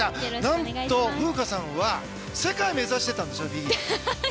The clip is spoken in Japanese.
なんと風花さんは世界を目指してたんですよねフィギュア。